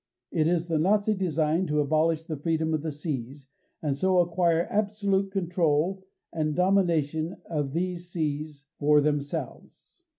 It is the Nazi design to abolish the freedom of the seas, and to acquire absolute control and domination of these seas for themselves.